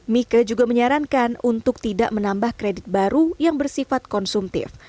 mika juga menyarankan untuk tidak menambah kredit baru yang bersifat konsumtif